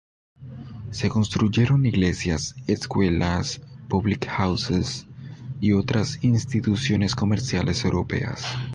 Se construyeron iglesias, escuelas, "public houses", y otras instituciones comerciales europeas.